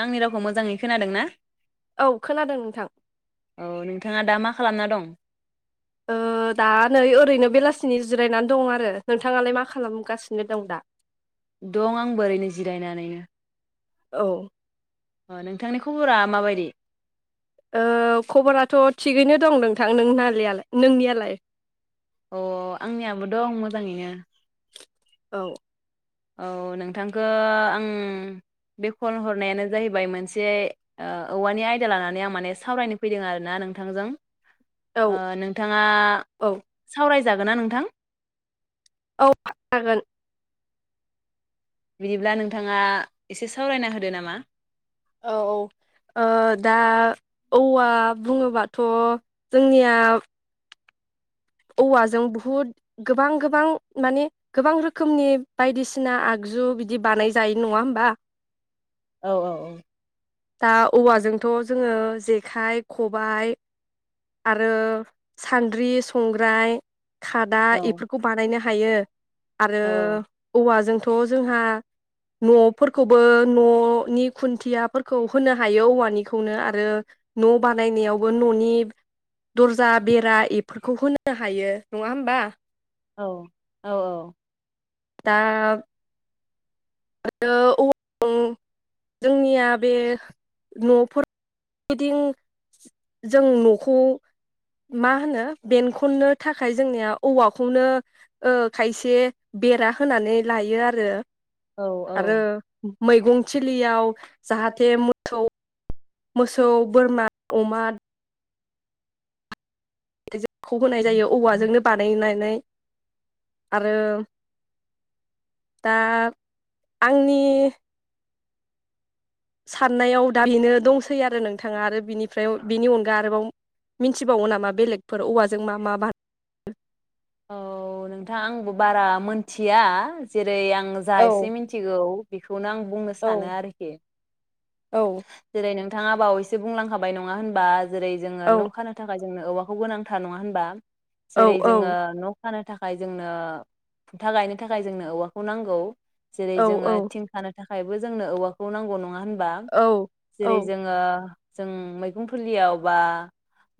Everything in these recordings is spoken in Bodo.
आंनि रावखौ मोजाङै खोनादों ना? औ खोनादों नोंथां । थाङा दा मा खालामना दं? ओ दा नै ओरैनो बेलासिनि जिरायनानै दं आरो नोंथाङालाय मा खालामगासिनो दं दा । दं आं बोरैनो जिरायनानैनो औ अ नोंथांनि खबरा माबायदि । ओ खबराथ' थिगैनो दं नोंथां नोंनालियालाय नोंनियालाय? अ आंनियाबो दं मोजाङैनो । औ औ नोंथांखौ आं बे कल हरनायानो जाहैबाय मोनसे ओ औवानि आयदा लानानै आं माने सावरायनो फैदों आरोना नोंथांजों । औ ओ नोंथाङा औ सावराय जागोना नोंथां । औ जागोन बिदिब्ला नोंथाङा एसे सावरायना होदो नामा । औ औ ओ दा औवा बुङोबाथ' जोंनिया औवाजों बहुद गोबां गोबां माने गोबां रोखोमनि बायदिसिना आगजु बिदि बानाय जायो नङा होमबा । औ औ औ दा औवाजोंथ' जोङो जेखाइ खबायाइ आरो सान्द्रि संग्राय खादा औ इफोरखौ बानायनो हा यो आरो औ औवा जोंथ' थ' जोंहा न'फोरखौबो न'नि खुन्थियाफोरखौ होनो हायो औवानिखौनो आरो न' बानायनायावबो न'नि दर्जा बेरा इफोर खौ होनो हायो नङा होमबा । औ औ औ दा आरो औवा जोंनिया बे न'फोरदिं जों न'खौ मा होनो बेनखननो थाखाय जोंनिया औवाखौनो ओ खायसे बेरा होनानै लायो आरो औ औ आरो मैगं थिलियाव जाहाथे मोसौ मोसौ बोरमा अमा ए [inaudible] खौ होनाय जायो औवाजोंनो बानायनाय नै आरो दा आंनि साननायाव दा बेनो दंसै आरो नोंथाङा आरो बिनिफ्राय बिनि अनगा आरोबाव मिन्थिबावो नामा बेलेगफोर औवाजों मा मा बान औ नोंथां आंबो बारा मोनथिया जे आं जा औ एसे मिथिगौ बेखौनो आं बुंनो औ सानो आरोखि औ बिथाङा बावैसो बुंलांखाबाय नङा होनबा जेरै जोङो औ न खानो थाखाय जोंनो औवाखौ गोनांथार नङा होनबा जेरै औ जोङो न फानो थाखाय जोंनो खुन्था गायनो थाखाय जोंनो औवाखौ नांगौ जेरै औ जोङो औ थिंखानो थाखायबो जोंनो औवाखौ नांगौ नङा होनबा औ जिरै औ जोङो जों मैगं फुलियाव बा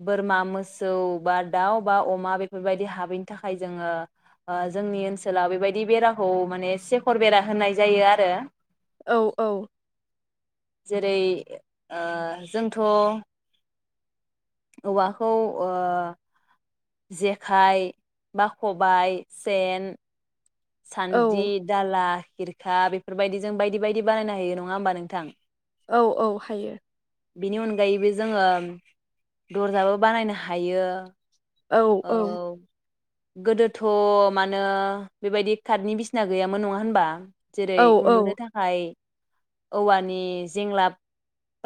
बोरमा मोसौ बा दाउ बा अमा बेफोरबायदि हाबैनि थाखाय जोङो जोंनि ओनसोलाव बेबायदि बेराखौ माने सेखर बेरा होनाय जायो आरो औ औ जेरै जोंथ औवाखौ जेखाइ बा खबाय सेन औ सान्दि दाला खिरखा बेफोरबायदि जों बायदि बायदि बानायनो हायो नङा होमबा नोंथां औ औ हायो बिनि अनगायैबो जोङो दर्जाबो बानायनो हायो औ औ गोदोथ मानो बेबायदि काटनि बिसिना गैयामोन नङा होनबा जेरै औ उन्दुनो औ थाखाय औवानि जेंला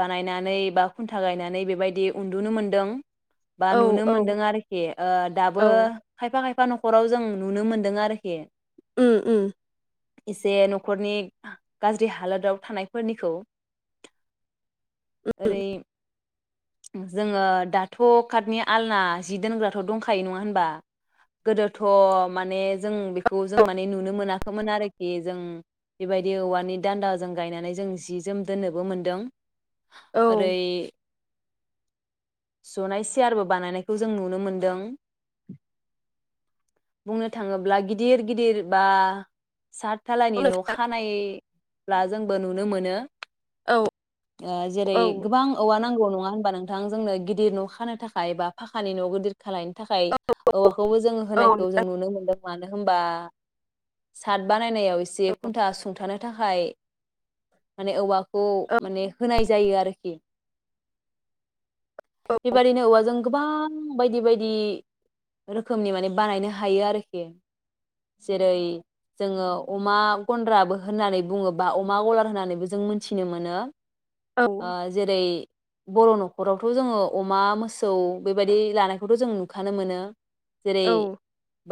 बानायनानै बा खुन्था गायनानै बेबायदि उन्दुनो मोनदों बा औ नुनो औ मोनदों आरो दाबो औ फ खफा खायफा नखराव जों नुनो मोनदों आरोखि उ उ एसे नखरनि गाज्रि हालोदाव थानायफोरनिखौ ओरै जोङो दाथ कटनि आलना जि दोनग्रााथ दंखायो नङा होनबा गोदोथ माने जों बेखौ औ जों माने नुनो मोनाखैमोन आरोखि जों बेबायदि औवानि दान्दाजों गायनानै जों जि जोम दोननोबो मोनदों। औ ओरै जनाय सियारबो बानायनाय खौ जों नुनो मोनदों बुंनो थाङोब्ला गिदिर गिदिर बा सात थालानि न नोंथां खानायब्ला जोंबो नुनो मोनो। औ ओ जेरै औ गोबां औवा नांगौ नंङा होनबा नोंथां जोंनो गिदिर न' खानो थाखाय बा फाखानि न' गोदोर खालायनो थाखाय औवाखौबो जों औ होनायखौ जों नुनो मोनदों मानो होनबा साद बा बानायाव एसे खुन्था सुंथानो थाखाय माने औवाखौ माने होनाय जायो आरोखि बेबायदिनो औवाजों गोबां बायदि बायदि रोखोमनि माने बानायनो हायो आरोखि जेरै जोंङो अमा गन्द्राबो होननानै बुङो बा अमा गलार होननानैबो जों मोनथिनो मोनो। औ ओ जेरै बर' नखरावथ' जोंङो अमा मोस सौ बेबायदि लानायखौथ' जों नुखानो मोनो। जेरै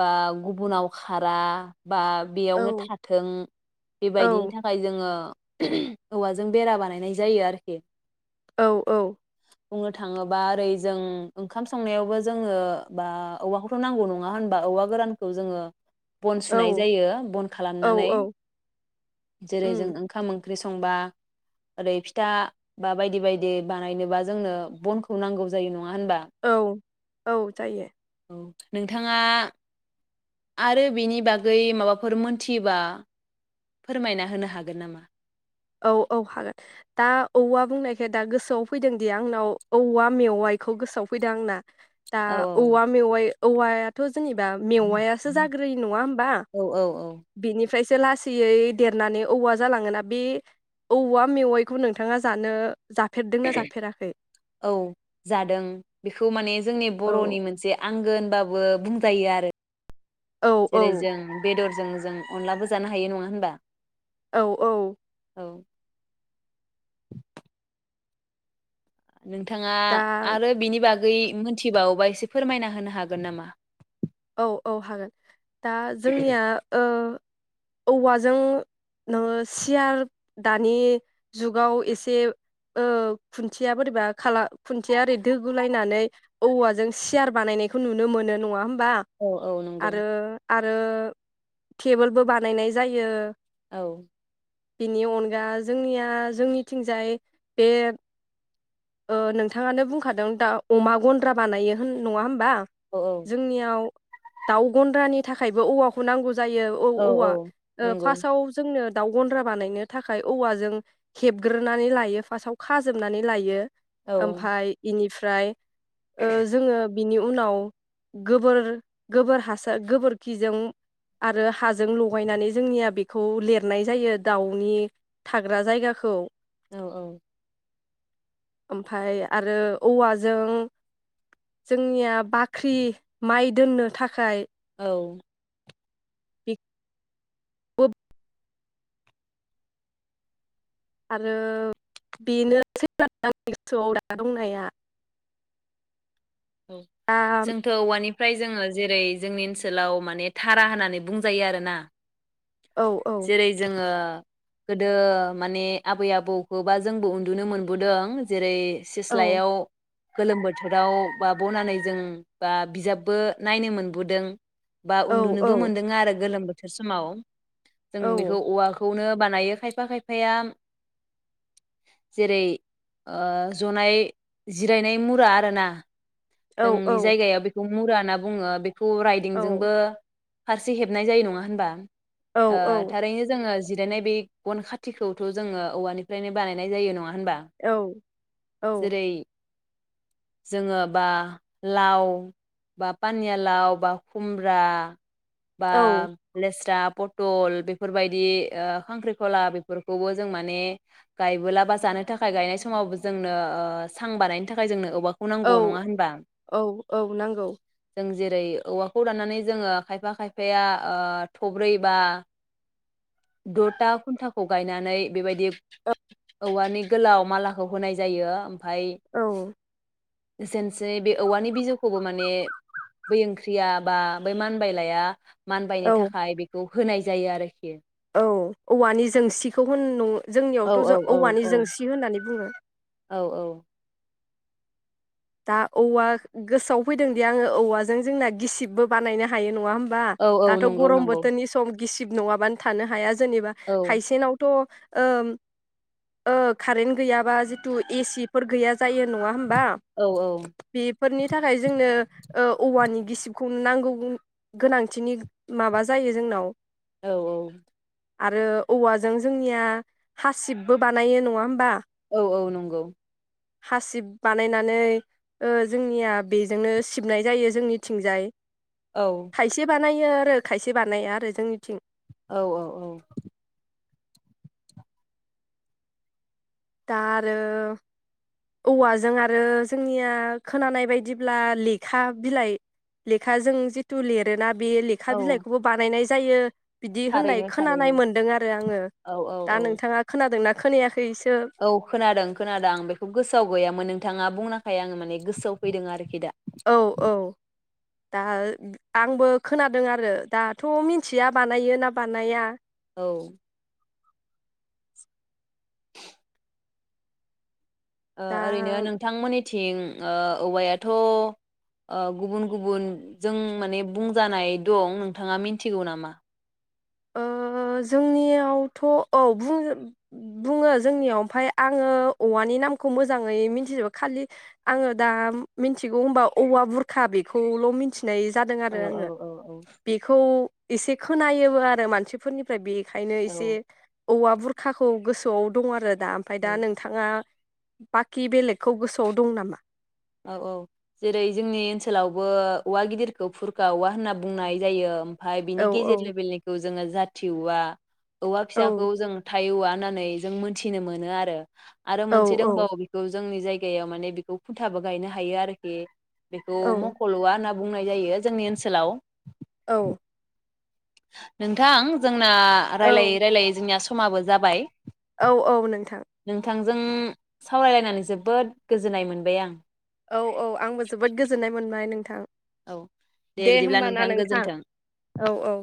बा गु बुनाव खारा बा औ बेयावनो थाथों बेबायदिनि थाखाय जोंङो औवाजों बेरा बानायनाय जायो आरोखि औ औ बुंनो थांङोबा ओरै जों ओंखाम संनायावबो जोंङो बा औवाखौथ' नांगौ नंङा होनबा औवा गोरानखौ जोंङो बन सुनाय औ औ जायो बन खालामनानै औ जेरै जों उम ओंखाम ओं ख्रि संबा ओरै फिथा बा बायदि बायदि बानायनोबा जोंनो बनखौ नांगौ जायो नं औ औ जायो। नोंथांङा आरो बिनि बागै माबाफोर मोनथियोबा फोरमायना होनो हागोन नामा? औ औ हागोन दा औवा बुंनायखाय दा गोसोआव फैदोंदि आंनाव औवा मेवाइखौ गोसोआव फैदों आंना दा औ औवा मेवाइ औवायाथ' जेनेबा मेवायासो जाग्रोयो नङा होनबा औ औ औ बेनि फ्रायसो लासैयै देरनानै औवा जालांङोना बे औवा मेवाइखौ नोंथांङा जानो जाफेरदोंना जाफेराखै? औ जादों बेखौ माने जोंनि औ बर'नि मोनसे आंगो होनबाबो बुं जायो आरो औ जेरै औ जों बेदर जों जों अनलाबो जानो हायो नंङा होनबा । औ औ औ नोंथाङा दा आरो बिनि बागै गै मोनथिबावोबा एसे फोरमायना होनो हागोन नामा औ औ हागोन दा जोंनिया ओह औवाजों नोङो सियार दानि जुगाव एसे ओह खुन्थिया बोरैबा खाला खुन्थिया ओरै दोगुलायनानै औवाजों सियार बानायनायखौ नुनो मोनो नङा होमबा औ औ नोंगौ आरो आरो थेबोलबो बानायनाय जायो औ बिनि अनगा जोंनिया जोंनिथिंजाय बे ओह नोंथाङानो बुंखादों दा अमा गन्द्रा बानायो होन नङा होमबा औ औ जोंनियाव दाउ गन्द्रानि थाखायबो औवाखौ नांगौ जा जायो औ औ-औवा औ ओह नंगौ फासाव जोंनो दाउ गन्द्रा बानायनो थाखाय औवाजों हेबग्रोनानै लायो फासाव खाजोबनानै लायो औ ओमफाय इनिफ फ्राय ओह जोङो बिनि उनाव गोबोर गोबोर हासार गोबोरखिजों आरो हाजों लगायनानै जोंनिया बेखौ लिरनाय जायो दाउनि थाग्रा जायगाखौ औ औ ओमफाय आरो औवाजों जोंनिया बाख्रि माइ दोननो थाखाय औ बि [unintelligible] आरो बेनो आंनि गोसोआव दा दंनाया औ दा जोंथ' औवानि ओमफ्राय जोङो जेरै जोंनि ओनसोलाव माने धारा होननानै बुंजायो आरोना औ औ जेरै जोङो गोदो माने आबै आबौखौबा जोंबो उन्दुनो मोनबोदों जेरै औ सिस्लायाव गोलोम बोथोराव बा बनानै जों बा बिजाबबो नायनो मोनबोदों। बा औ औ उन्दुनोबो मोनदों आरो गोलोम बो थोर समाव। जों औ बेखौ औवाखौनो बानायो खायफा खायफाया जेरै ओह जनाय जिरायनाय मुरा आरोना औ औ जोंनि जायगाया बेखौ मुरा ना बुङो। बे खौ औ राइदिंजोंबो फारसे हेबनाय जायो नङा होनबा? औ ओ थारैनो जोङो जिरायनाय बे गन खाथिखौथ' जोङो औवानिफ्रायनो बानायनाय जायो नङा होनबा औ जेरै जोङो बा लाव बा पानिया लाव बा खुमब्रा बा लेस्रा पथल बेफोरबायदि ओ खांख्रिखला बेफोरखौबो जों माने गायबोला बा जानो थाखाय गायनाय समावबो जोंनो ओ सां बानायनो थाखाय जोंनो औवा खौ नांगौ औ नङा होनबा? औ औ नांगौ ओम जेरै औवाखौ दनानै जोङो खायफा खायफाया थब्रै बा दथा खुन्टाखौ गायनानै बेबायदि औवानि गोलाव मालाखौ होनाय जायो। फाय औ एसेनोसै बे औवानि बिजौखौबो माने बै ओंख्रिया बा बै मानबाय लाया मानबायनो औ थाखाय बेखौ होनाय जायो आरोखि। औ औवानि जोंसिखौ होन औ जोंनियावथ' औ ज औवानि जोंसि होननानै बुङो। औ औ दा औवा गोसोआव फैदोंदि आङो औवाजों जोंना गिसिबबो बानायनो हायो नङा होम बा औ औ दाथ' नंगौ गरम नंगौ बोथोरनि सम गिसिब नङाबानो थानो हाया जेनेबा औ खायसेनावथ' ओ ओ कारेन्ट गैयाबा जिथु एसिफोर गैया जायो नङा होमबा? औ बेफोरनि थाखाय जोंनो ओ औवानि गिसिबखौनो नांगौ गोनांथिनि माबा जायो जोंनाव। औ औ आरो औवाजों जोंनिया हासिबबो बानायो नङा होमबा? औ औ नंगौ हासिब बानायना नै जोंनिया बेजोंनो सिबनाय जायो जोंनिथिंजाय। औ खायसे बानायो आरो खायसे बानाया आरो जोंनिथिं औ औ औ दा आरो औवाजों आरो जोंनिया खोनानाय बायदिब्ला लेखा बिलाइ लेखाजों जिथु लिरोना बे लेखा औ बिलाइखौबो बानायनाय जायो बिदि होननाय थारैनो खोनानाय थारैनो मोनदों आरो आङो औ औ दा औ नोंथाङा खोनादों ना? खोनायाखै इसो औ खोनादों खोनादों आं बेखौ गोसोआव गैयामोन नोंथाङा बुंनायखाय आङो माने गोसोआव फैदों आरोखि दा। औ औ दा आंबो खोनादों आरो दाथ' मिथिया बानायो ना बानाया औ [inaudible] ओ ओरैनो दा नोंथांमोननि थिं ओ औवायाथ' गुबुन गुबुन जों माने बुंजानाय दं नोंथाङा मिथिगौ नामा? ओ जोंनियावथ' औ बुङो बुङो जोंनियाव ओमफाय आङो औवानि नामखौ मोजाङै मिथिजोबो खालि आङो दा मिथिगौ होनबा औवा बुरखा बेखौल' मिथि नाय जादों औ आरो औ आङो औ बेखौ एसेखौ नायोबो आरो मानसिफोरनिफ्राय बे ओंखायनो औ एसे औवा बुरखाखौ गोसोआव दं आरो दा ओमफ्राय दा औ नोंथाङा बाखि बेलेगखौ गोसोआव दं नामा? औ औ जेरै जोंनि ओनसोलावबो औवा गिदिरखौ फुरखा औवा होनना बुंनाय जायो। ओमफ्राय औ बिनि गेजेर लेभेलनिखौ जोङो जाथि औवा औवा औ फिसाखौ जों थाय औवा होननानै जों मोनथिनो मोनो आरो। आरो औ मोनसे दंबावो बेखौ जोंनि जायगायाव माने मुथाबो गायनो हायो आरोखि बेखौ औ मखल'वा होनना बुंनाय जायो जोंनि ओनसोलाव। औ नोंथां जों ना रायलै औ रायलायो जोंनिया समाबो जाबाय। औ औ नोंथां। जों सावरायलायनानै जोबोद गोजोननाय मोनबाय आं। औ औ आंबो जोबोद गोजोननाय मोनबाय नोंथां। औ दे होमबाना नोंथां औ औ।